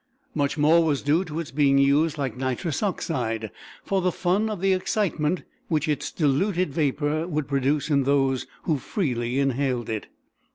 Much more was due to its being used, like nitrous oxide, for the fun of the excitement which its diluted vapor would produce in those who freely inhaled it.